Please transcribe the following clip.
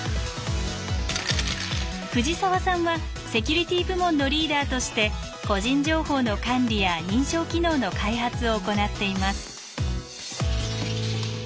藤沢さんはセキュリティー部門のリーダーとして個人情報の管理や認証機能の開発を行っています。